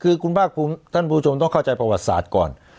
คือคุณภาคภูมิท่านผู้ชมต้องเข้าใจประวัติศาสตร์ก่อน